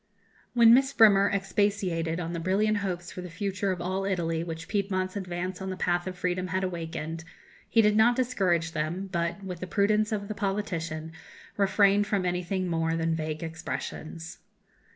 When Miss Bremer expatiated on the brilliant hopes for the future of all Italy which Piedmont's advance on the path of freedom had awakened, he did not discourage them, but, with the prudence of the politician, refrained from anything more than vague expressions.